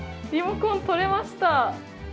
リモコンとれました。